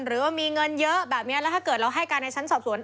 หรือว่ามีเงินเยอะแบบนี้แล้วถ้าเกิดเราให้การในชั้นสอบสวน